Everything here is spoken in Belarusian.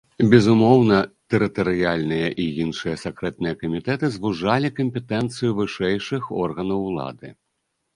Безумоўна, тэрытарыяльныя і іншыя сакрэтныя камітэты звужалі кампетэнцыю вышэйшых органаў улады.